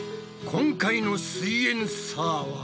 今回の「すイエんサー」は？